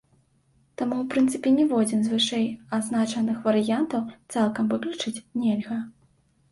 Таму ў прынцыпе ніводзін з вышэй азначаных варыянтаў цалкам выключыць нельга.